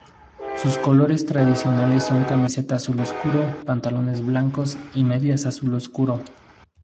Sus colores tradicionales son camiseta azul oscuro, pantalones blancos y medias azul oscuro.